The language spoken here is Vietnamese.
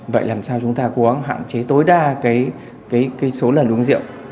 vậy làm sao chúng ta cố gắng hạn chế tối đa cái số lần uống rượu